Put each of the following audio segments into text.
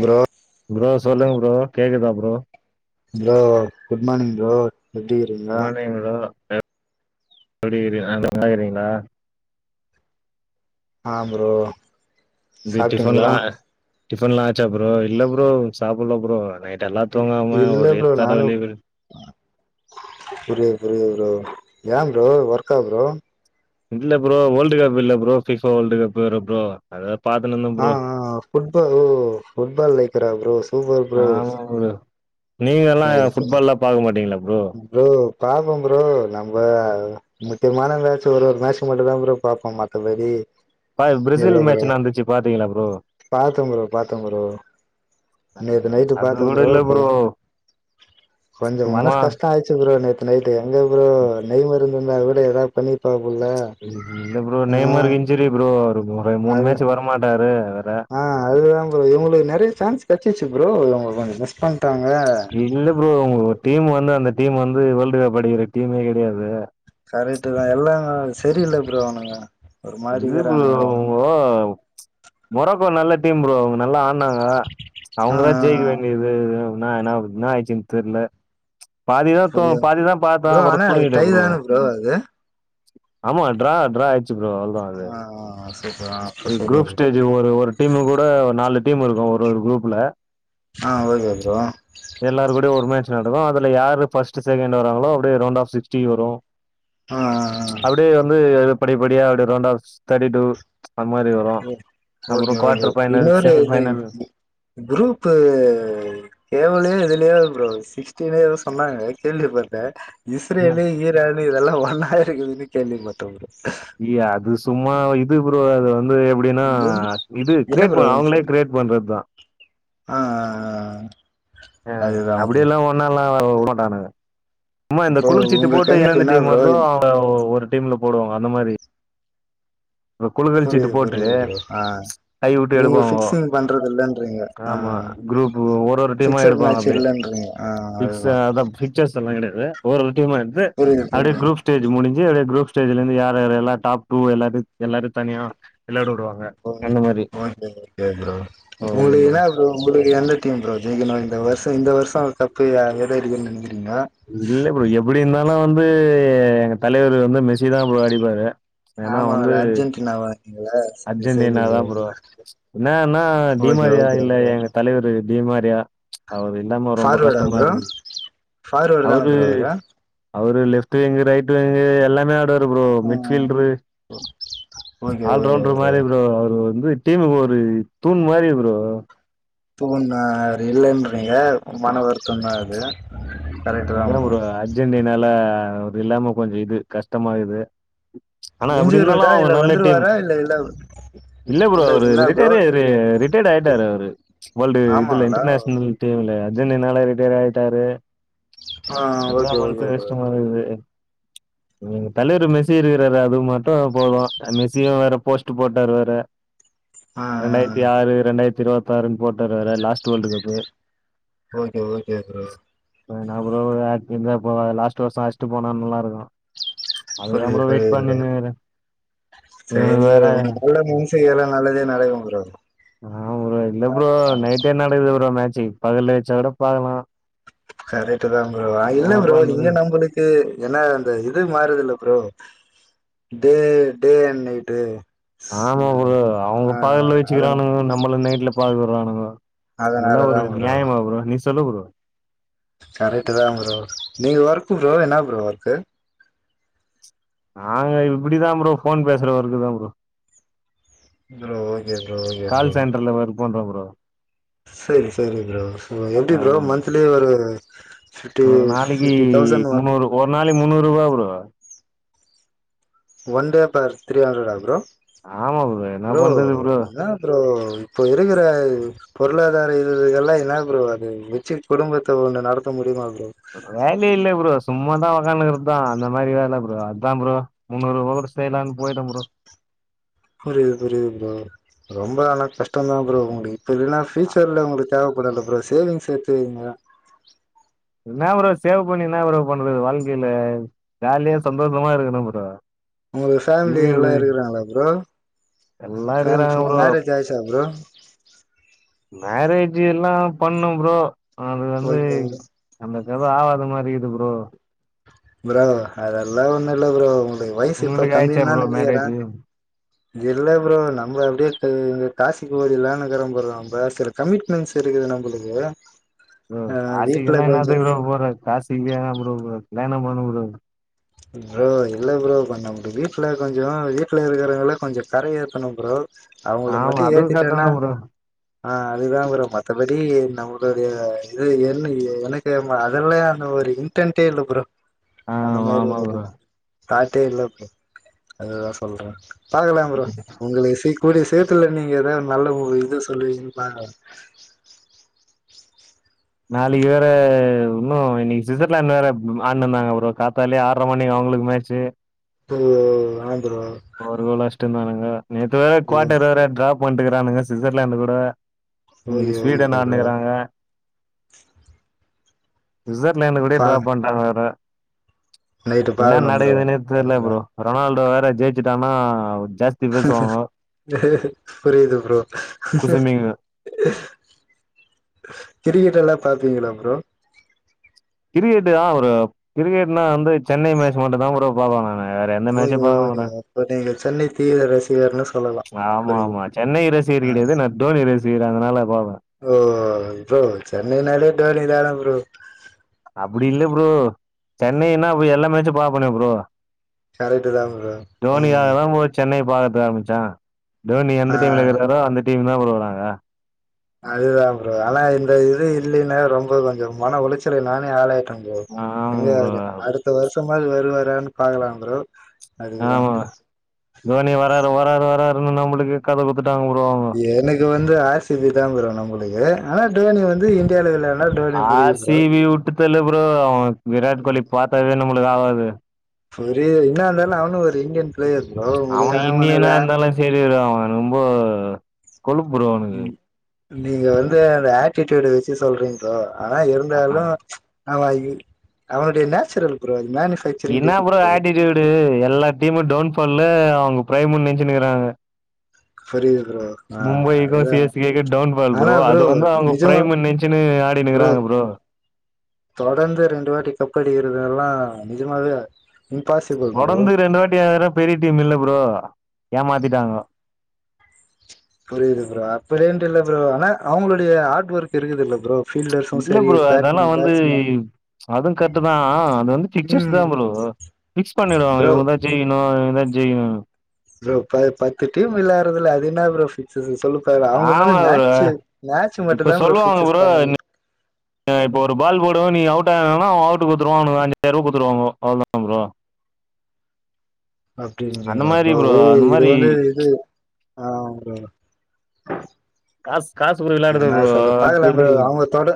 Bro bro சொல்லுங்க bro கேக்குதா bro bro good morning bro எப்டி இருக்கீங்க குட் மார்னிங் ப்ரோ எப் எப்டி இருக்க நல்லாக்கீறீங்களா ஆ ப்ரோ டி சாப்ட்டீங்களா டிஃபன்லா டிஃபன்லா ஆச்சா ப்ரோ இல்ல ப்ரோ சாப்புல ப்ரோ எல்லா தூங்காம இல்ல ஒரே ப்ரோ நானு தலவலி புரியுது புரியுது ப்ரோ ஏ ப்ரோ ஒர்க்கா ப்ரோ இல்ல ப்ரோ வேர்ல்டு் கப் இல்ல ப்ரோ ஃபிஷோ வேர்ல்டு கப் வேற ப்ரோ அத பாத்துனுருந்து ஆ ஆ ஃபுட்பால் ஃபுட்பால் லைக்கரா ப்ரோ சூப்பர் ப்ரோ நீங்க எல்லாம் சரி சரி ஃபுட்பால் எல்லா பாக்க மாட்டீங்களா ப்ரோ ப்ரோ பாப்போ ப்ரோ நம்ம அதலெ முக்கியமான மேச்சு ஒரு ஒரு மேச்சு மட்டு பாப்போம் மத்தபடி பா இல்ல பிரேசில் ப்ரோ மேட்ச் நடந்துச்சு பாத்தீங்களா ப்ரோ பாத்த ப்ரோ பாத்த ப்ரோ நேத்து நைட்டு அது பாத்த கூட ப்ரோ இல்ல கொ கொஞ்சோ சும்மா மனசு கஷ்டோ ஆயிச்சு ப்ரோ நேத்து நைட்டு் எங்க ப்ரோ டைம் இருந்துருந்தா கூட எதா பண்ணிருப்பாங் போல இல்ல ப்ரோ நெய்மரு இன்சிரி ப்ரோ ஒரு மூணு அது மேட்ச் வரமாட்டாரு வேற ஆ அதுதா ப்ரோ இவுங்களுக்கு நிறய சான்ஸ் கச்சிச்சு ப்ரோ இவுங்க கொஞ்சோ மிஸ் பண்ட்டாங்க இல்ல ப்ரோ உங்க டீம் வந்து அந்த டீம் வந்து வேல்டு கப் அடிக்கிற டீமே கிடயாது கரெக்ட் தா எல்லா சரியில்ல ப்ரோ அவனுங்க ஒரு இது ப்ரோ மாரிக்கிறானுங்க மொ மொராக்கோ நல்ல டீம் ப்ரோ அவங்க நல்லா ஆ ட்னாங்க ஆ அவங்கதா ஆ ஜெயிக்க ஆ வேண்டியது ன ன என்ன ஆயிடுச்சுன்னு தெர்ல பாதிதா தோ புரியுது பாதிதா பாத்த ப்ரோ அப்பறோ ஆனா அது தூக்கிட்ட டை ப்ரோ தான அது ஆமா ட்ரா ட்ரா ஆயிச்சு ஆ சூப்பர் ஆ இது குரூப் சூப்பர் ஸ்டேஜ் ஒரு ஒரு டீமு கூட ஒரு நாலு டீம் இருக்கும் ஒரு ஒரு குரூப்ல ஆ ஓகே ப்ரோ எல்லாரு கூடயோ ஒரு மேட்ச் நடக்கும் அதுல யாரு ஃபஸ்ட் செகண்ட் வராங்களோ அப்டியே ரவுண்ட் ஆஃப் சிக்ஸ்டி வரும் ஆ ஆ அப்டியே வந்து படி படியா அப்டியே ரவுண்ட ஆஃப் தேர்ட்டி டூ அந் மாரி வரும் ஓ ஓகே ஓகே இன்னொரு இது செமிஃபைனல் கு குரூப்பு கேவலயோ இதுயோ ப்ரோ சிஸ்டீனோ ஏதோ சொன்னாங்க கேள்வி பட்ட என்ன இசரேலு ஈரான் இதல்லா ஒன்னா இருக்குதுனு கேள்வி பட்ட ப்ரோ இய அது சும்மா இது ப்ரோ அது வந்து எப்டி இப்டின்னா ப்ரோ இது கிரியேட் பண்ண அவங்களே கிரியேட் பண்றது தான் அ அ அ அப்டியெல்லா ஒன்னால்லா உடமாட்டானுங்க சும்மா இந்த இப்போ குழுச்சீட்டு உங்க போட்டு எந்த கணிப்பு எந்த என்ன டீம் ப்ரோ வருதோ அவங்க ஒரு டீம்ல போடுவாங்க அந்த மாரி இப்ப குழுகல்லு சீட்டு புரியுது போட்டு புரியுது ப்ரோ ஆ ம்ச் கய உட்டு இவங்க எடுப்பாவோ ஃபிக்சிங் பண்றது இல்லன்றீங்க ஆ ஆமா குரூப்பு ஒரு ஒரு டீமா ஃபிக்சட் எடுப்பாங்க மேட்ச் அப்டே இல்லன்றீங்க ஆ அதுதா பிக்ஸா எல்லா கெடயாது ஒரு ஒரு டீமா எடுத்து புரியுது அப்டியே புரியுது குரூப்ஸ் ஸ்டேஜ் முடிஞ்சு அப்டியே குரூப் ஸ்டேஜ்ல இருந்து யாரு யார் எல்ல டாப் டூ வோ எல்லாத்தயு எல்லாரும் தனியா வெளாடவுடுவாங்க ஓக்கே ஓகே ப்ரோ ஓ ஒங்ளுக்கென்னா ஒங்களுக்கு எந்த டீம் ப்ரோ ஜெயிக்கனோ இந்த வருஷோ இந்த வருஷோ கப்பு யார் எடுக்கணும்னு நெனக்கிரிங்கோ இல்ல ப்ரோ எப்டி இருந்தாலும் வந்து எங்க தலைவர் வந்து மெஸ்ஸி தா ப்ரோ அடிப்பாரு ஆமா லெஜெண்ட்ல அவ அர்ஜென்டினாாதா ப்ரோ என்னன்னா ஓகே டிமாரியா ஓகே இல்ல ப்ரோ எங்க தலைவரு டீமாரியா அவரு இல்லாம ரொம்ப ஃபார்வேர்டா கஷ்டமா ப்ரோ இருக்கு ஃபார்வேர்டு தான அவுரு ப்ரோ அவரு அவுரு லெப்ட் விங்கு ரைட் வெங்கு எல்லாமே ஆடுவாரு ப்ரோ மிட்ஃபீல்டரு [unintelligible] ஆல்ரவுண்டர் மாரி ப்ரோ அவுரு வந்து டீமுக்கு ஒரு தூண் மாரி ப்ரோ பூ நா இல்லன்றீங்க மன வருத்தந்தா அது கரெக்ட் தா அதா ப்ரோ அர்ஜென்டினால அவுரு இல்லாம கொஞ்சம் இது கஷ்டமா இருக்குது ஆனா இன்ஜூரிடா அப்டிருந்தாலும் அவுங்க இல்ல நல்ல டீம் வந்துருவாரா இல்ல இல்ல இல்ல ப்ரோ அவுரு என்ன ப்ரோ ரிட்டயர் ரிட்டயர்டு ஆய்டார் அவுரு வோர்ல்டு இதுல்ல ஆமாங்களா இன்டர் நேஷ்னல் டீமுல அர்ஜன்டின்னால ரிட்டையர் ஆயிட்டாரு ஆ ஓகே அதுதான் மனசு ஓகே ப்ரோ கஷ்டமா இருக்குது ங்க தலவர் மெஸ்ஸி இருக்கிறாரு அது மட்டும் போதும் மெஸியும் வேற போஸ்ட் போட்டாரு வேற ஆ ஆ ரெண்டாயிரத்தி ஆறு ரெண்டாயிரத்தி இருவத்தி ஆறுன்னு போட்டாரு வேற last world cup okay okay bro என்னா ப்ரோ ஆக்ட்டிங்லா போவ லாஸ்ட் வருஷோ ஆச்ட்டு போனா நல்லாருக்கும் ம்ச் அதுக்தா புரியுது ப்ரோ வெயிட் புரியுது ப்ரோ பண்ணினுக்ற இவனுக வேற இனி எல்லாம் நல்லதே நடக்கு ப்ரோ ஆமா ப்ரோ இல்ல ப்ரோ நைட்டே நடக்குது ப்ரோ மேட்சு பகல்லே வெச்சா கூடோ பாக்கலா கரெட்டு தா ப்ரோ இல்ல ப்ரோ பண்றது? இங்க நம்பளுக்கு ஏன்னா அந்த இது மாறுதுல்ல ப்ரோ டே டேஅன் நைட்டு ஆமா ப்ரோ ம் அவுங்க ஆ பகல்ல அதன வெச்சுக்கிறானுங்கோ நம்மள நைட்ல பாக்கவுர்றானுங்கோ இதுல்லா அதனாலதா ஒரு ப்ரோ நியாயமா ப்ரோ நீ சொல்லு ப்ரோ கரெட்டு தா ப்ரோ நீ ஒர்க்கு ப்ரோ என்னா ப்ரோ ஒர்க்கு நாங்க இப்டிதா ப்ரோ ஃபோன் பேசுற ஒர்க்கு தா bro bro okay bro okay bro call சென்டர்ல ஒர்க் பண்றோ ப்ரோ செரி செரி ப்ரோ எப்டி ப்ரோ மந்த்லி ஒரு ஃபிப்டி ஒரு நாளக்கி ஃபிப்டி தௌசண்ட் முன்னூறு ஒரு நாளக்கு முன்னூறு ரூவா bro one day per three ஹண்ட்ரடா ப்ரோ ஆமா என்ன ப்ரோ பண்றது ப்ரோ என்னா ப்ரோ இப்பொ இருக்குற பொருளாதார இது எல்லா என்னா ப்ரோ அது வெச்சு குடும்பத்த ஒண்ணு நடத்த முடியுமா ப்ரோ வேலையேயில்ல ப்ரோ சும்மாதா ஒக்கானுகிறது தா அந்த மாரி வேல ப்ரோ அத்தா ப்ரோ முன்னூறு ரூபாக்கூட செய்லா போய்ட்ட ப்ரோ புரிது புரிது ப்ரோ ரொம்ப ஆனா கஷ்டோ தா ப்ரோ உங்களுக்கு இப்ப இல்லன்னா ஃபியூச்சர்ல உங்களுக்கு தேவ்ப் படுல ப்ரோ சேவிங்ஸ் சேத்து வைங்க இன்னா ப்ரோ சேவ் பண்ணி இன்னா ப்ரோ பண்றது வாழ்க்கையில ஜாலியா சந்தோஷமா இருக்கனு ப்ரோ உங்களுக்கு ஃபேமிலி எல்லா இருக்கிறது இருக்குறாங்ளா ப்ரோ எல்லா ஃபே இருக்கிறாங்க ப்ரோ மேரேஜ் ஆயிச்சா ப்ரோ மேரேஜ் எல்லா பண்ண ப்ரோ அது வந்து ஓகே அந்த கத ஆவாத மாரிகிது ப்ரோ ப்ரோ அதெல்லா ஒண்ணுயில்ல ப்ரோ உங்களுக்கு வயசு இப்ப உங்களுக்கு ஆயிடுச்சா கம்மினு தா ப்ரோ நெனக்கிற மேரேஜ் இல்ல ப்ரோ நம்ம அப்டே காசிக்கு ஓடில்லானுக்கிற ப்ரோ அவ பேசர் கமிட்மெண்ட்ஸ் இருக்குது நம்மளுக்கு ப்ரோ ஆ வீட்ல காசிக்குல்லா கொஞ்சோ என்னதுகு ப்ரோ போற காசிகு ஏ ப்ரோ போற கல்யாணோ பண்ணு ப்ரோ ப்ரோ இல்ல ப்ரோ கொஞ்சோ இப்ப நம்ம வீட்ல கொஞ்சோ வீட்லயிருக்கிறவங்கல்ல கொஞ்சோ கர ஏத்தணு ப்ரோ அவுங்கள ஆமா மட்டூ அதுவு கரெக்ட் ஏத்திட்டனா தா ப்ரோ ஆ அதுதா ப்ரோ மத்தபடி நம்மளுடைய இது என்ன எனக் கேம் அதெல்லா அந்த ஒரு இன்டன்டே இல்ல ப்ரோ ஆ அந்தமாரி ஆமா ப்ரோ காத்தே இல்ல ப்ரோ அதுதா சொல்ற பாக்கலா ப்ரோ உங்களுக்கு சீக் கூடிய சீத்துல நீங்க எதாது நல்ல ஒரு இத சொல்லுவிங்கனு பாக்களா நாளைக்கு வேற இன்னு இன்னைக்கு சுவிட்சர்லாண்ட் வேற ஆன்ட்னுயிந்தாங்க ப்ரோ காத்தாலே ஆ ட்ற மணிக்கு அவுங்களுக்கு மேச்சு ஓ ஓ அ ப்ரோ ஒரு கோலு அஷ்ட்யிந்தானுங்கோ நேத்து வேற ஓ ஃகுவாட்டர் வேற ட்ராப் பண்டுக்கிறானுங்க சுவிட்சர்லர்ந்து கூட ஓகே இன்னைக்கு ஸ்வீடன் ஓகே ப்ரோ ஆட்னுகிறாங்க சுசர்லேந்து கூடே பா ட்ராஃப் பண்ட்டாங்க வேற நைட்டு என்ன பாக்கணு ப்ரோ நடக்குதுன்னே தெர்ல அதுதா ப்ரோ ரொனால்டோ வேற ஜெயிச்சுட்டான்னா ஜஸ் புரிது ப்ரோ குசும்பிங்க கிரிக்கெட் எல்லா பாத்தீங்ளா ப்ரோ கிரிக்கெட்டு அ ஒரு கிரிக்கெட்னா வந்து சென்னை மேட்ச் மட்டூ தா ப்ரோ பாப்ப நானு வேற எந்த மேட்ச்சு பாக்க மாட்ட இப்போ நீங்கள் சென்னை தீவிர ரசிகர்னு சொ ஆமா ஆமா சென்னை ரசிகர் கிடையாது நா தோனி ரசிகர் அதனால பாப்ப ப்ரோ ப்ரோ சென்னை நாலே தோனி தான ப்ரோ அப்டியில்ல ப்ரோ சென்னைனா எல்லா மேச்சு பாப்பனே ப்ரோ கரெக்ட் தா ப்ரோ ம் தோனிகாகதா ப்ரோ சென்னை பாக்கர்த்துக்கு ஆரம்பிச்ச தோனி எந்த ஆ டீம்லயிருக்கிறாரோ அந்த டீம் தா ப்ரோ நாங்க அதுதா ப்ரோ ஆனா இந்த இது இல்லைன்னா ரொம்போ கொஞ்சோ மன உளைச்சலுக்கு நானே ஆளாய் ருப்ப ப்ரோ ஆமா எங்க ப்ரோ அடுத்த வருஷமாது வருவாறானு பாக்கலா ப்ரோ அதுக்குதா ஆமா தோனி வராரு வராரு வராருன்னு நம்மளுக்கு கத குடுத்துட்டாங்க ப்ரோ எனக்கு வந்து ஆர் சி பி தா ப்ரோ நம்மளுக்கு ஆனா டோனி வந்து யாள இல்லன்னா டோனிய புடிக்கு ப்ரோ ல்ல ப்ரோ அவன் விராட் கோலி பாத்தாவே நம்மளுக்கு ஆவாது புரிய இன்னா இருந்தாலு அவனு ஒரு இந்தியன் பிளேயர் ப்ரோ உங்களுக்கு அவன தெரியல்ல அவ ரொம்போ கொழுப்பு ப்ரோ அவனுக்கு ம் நீங்க வந்து அந்த ஆட்டிடூடு வச்சு சொல்றீங்க ஆனா ஆ இருந்தாலு அவ இ அவனுடைய நேச்சுரல் குரல் மேனிஸ் இன்ன ப்ரோ ஆட்டிடியூடு எல்லா டீமு டோன் ஃபால அவ்ங்க ப்ரைமுன் நென்ச்சுன்னிக்குறாங்க புரிது ப்ரோ ஆ மும்பைக்கு அதுதா சி எஸ் கே க்கு டவுன்பால் ஆனா ப்ரோ அது வந்து அவ்ங்க நிஜமா ப்ரைமுன் நென்ச்சுன்னு ஆடிட்னிக்குறாங்க ப்ரோ தொடர்ந்து ரெண்டு வாட்டி கப்படிக்கிறதெல்லா நிஜமாவே இம்பாசிபுள் தொடர்ந்து ரெண்டு வாட்டி வாங்குற பெரிய டீம் இல்ல ப்ரோ ஏமாத்திட்டாங்க புரிது ப்ரோ அப்புடின்ட்டு இல்ல ப்ரோ ஆனா அவுங்களுடைய ஹாடு ஒர்க் இருக்குதுல்ல ப்ரோ ஃபீல்டர்ஸும் இல்ல சரி ப்ரோ அதெல்லா பேட்ஸ்மேன் வந்து பேட்ஸ்மேன் அதூ கர்ட்டுதா அது வந்து பிக்சர்ஸ்தா ம் ப்ரோ பிக்ஸ் பண்ணிடுவாங்க ப்ரோ இவுங்கதா ஜெய் க்னு இவுங்கதா ஜெய்க்னுனு ப்ரோ இப்ப பத்து டீம் விளாறதுல அது என்ன ப்ரோ பிக்ஸஸு சொல்லுங் தலைவா அவ்ங்க ஆமா வந்து ப்ரோ மேட்ச்சு மேட்ச்சு மட்டுந்தான் ப்ரோ பிக்சஸ் பண்ணவு ஆ இப்போ ஒரு பால் போடுவோ நீங்க அவுட் ஆகனுனா அவன் அவுட்டு குட்த்துவானுங்க அவனுக்கு ஒரு அஞ்சாய்ர்வா குடுத்துருவாங்க அவ்ளதா ப்ரோ அந்த அப்டின்றீங்ளா மாரி ப்ரோ அந்த இது மாரி வந்து இது அவ்ங்குளோட காஸ் காசு ப்ரோ விளாடுது ப்ரோ ஐ பி எ பாக்கலாம் ல்லே ப்ரோ அவங்க தொட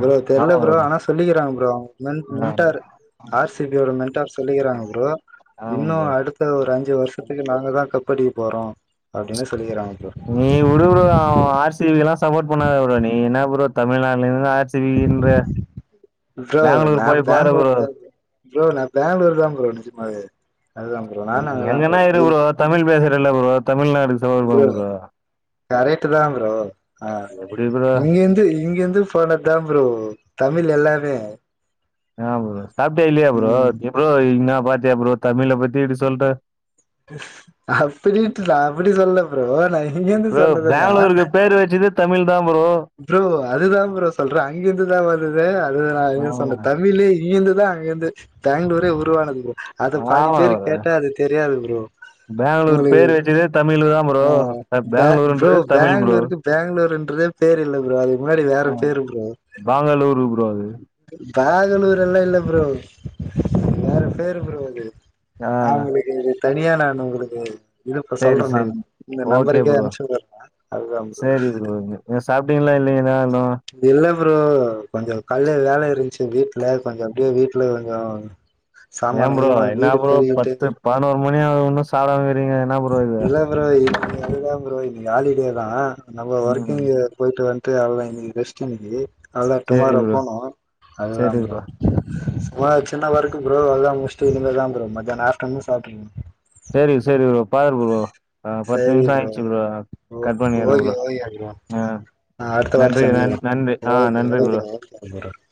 ப்ரோ தெர்ல ப்ரோ ஆனா சொல்லிக்கிறாங்க ப்ரோ அவ்ங் மென் ஆ மென்ட்டாரு ஆர் சி பியோட மென்டார் சொல்லிக்கிறாங்க ப்ரோ ஆமா இன்னு ப்ரோ அடு த்து ஒரு அஞ்சு வருஷத்துக்கு நாங்கதா கப்படிக்க போறோ அப்டின்னு சொல்லிக்கிறாங்க ப்ரோ நீ உடு ப்ரோ ஆர் சி பி எலா சப்போட் பண்ணாத ப்ரோ நீ என்ன ப்ரோ தமிழ்நாட்ல இருந்து ஆர்ஸ் சி பி ன்ற ப்ரோ பேங்களூரு நா போய் பாரு பேங்களூர் ப்ரோ தா ப்ரோ நான் பேங்க்ளூர்தா ப்ரோ நெஜமாவே அதுதா ப்ரோ நானு நீ அங்கதா எங்கனா இரு ப்ரோ தமிழ் பேசுறல ப்ரோ தமிழ்நாடு ப்ரோ கரைட்டுதா ப்ரோ ஆ எப்டி ப்ரோ இங்கிர்ந்து இங்கிர்ந்து போனதா ப்ரோ தமிழ் எல்லாமே ஏன் ப்ரோ சாப்ட்டியா இல்லையா ப்ரோ ம் எ ப்ரோ இன்ன பாத்தியா ப்ரோ தமிழ பத்தி இப்டி சொல்ற அப்டின்ட்டு நா அப்டி சொல்ல ப்ரோ நா இங்கிருந்து ப்ரோ சொன்னதுன்னா பேங்ளூருக்கு பேரு வச்சதே தமிழ்தா ப்ரோ ப்ரோ அதுதான் ப்ரோ சொல்ற அங்கிர்ந்துதா வருது அது நான் எங்க சொன்ன தமிழே இங்கிர்ந்துதா அங்கர்ந்து பேங்களூரே உருவானது ப்ரோ அத ஆமா பாதி பேரு ப்ரோ கேட்டா அது தெரியாது ப்ரோ பெங்களூர் பேர் ம் வச்சதே தமிழ் தா ப்ரோ ஆ ப ப்ரோ பெங்களூருன்றது தமிழ் ப்ரோ பேங்களூருக்கு பேங்களூர்ன்றதே பேர் இல்ல ப்ரோ அதுக்கு முன்னாடி வேற பேரு ப்ரோ பாங்களூரு ப்ரோ அது பேகனூரெல்லா இல்ல ப்ரோ வேற பேரு ப்ரோ அது ஆ உங்ளுக்கு இது தனியா நானு உங்குளுக்கு இரு இப்ப சேரி சொல்ற சேரி நானு இந்த ஓகே நம்பருக்கே ப்ரோ அம்ச்சுவுட்ற அப்றமா அதுதான் ப்ரோ நீங்க சாப்ட்டீங்ளா இல்லைங்கிளா இன்னூ இல்ல ப்ரோ கொஞ்சோ கால்ல வேல இருந்ச்சு வீட்ல கொஞ்சம் அப்டியே வீட்ல கொஞ்சோ சாமான ஏன் ப்ரோ கீமானு என்ன வீடு ப்ரோ பெருகிட்டு பத்து பதுனோர் மணியாகுது உன்னு சாப்டாம இருக்கீங்க என்ன ப்ரோ இது இல்ல ப்ரோ இல்ல ப்ரோ இன்னிக்கு ஹாலிடேதா நம்ம ம் ஒர்க்கிங்கு போய்ட்டு வன்ட்டு அவுள்தா இன்னிக்கு ரெஸ்ட் இன்னிக்கு அவுள்தா சேரி டுமாரோ ப்ரோ போணு அதுதான் ப்ரோ சும்மா சின்ன ஒர்க்கு ப்ரோ அதலா முஸ்ட்டு இனிமேதா ப்ரோ மத்தாய்னோ ஆஃப்டர்னூன் சாப்புனு சேரி சேரி ப்ரோ பாரு ப்ரோ ஆ பத்து நிம்ஷோ ஆய்ச்சு ப்ரோ ஓ கட்பண்ணிற ஓகே ப்ரோ ஓகே ப்ரோ ஆ ஆ அடுத்த வாட்டி நன்றி நன் சந்திக்கலா நன்றி ஆ ஓகே நன்றி ப்ரோ [unintelligible]